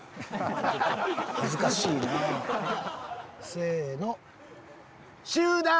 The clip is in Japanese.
せの。